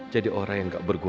jadi orang yang gak berguna